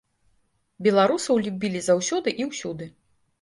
Беларусаў любілі заўсёды і ўсюды.